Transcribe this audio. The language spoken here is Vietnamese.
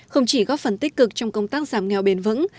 không chỉ góp phần tích cực trong công tác giảm nghèo bền vững